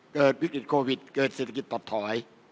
เกิดวิกฤตโควิดเกิดเศรษฐกิจถอดถอย